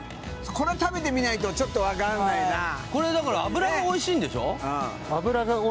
これは食べてみないとちょっと分からないなこれだから脂がおいしいんでしょ？